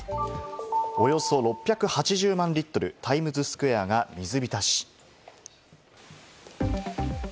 およそ６８０万リットルタイムズスクエアが水浸し。